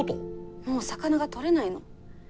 もう魚が取れないの。